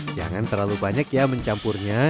jangan terlalu banyak ya mencampurnya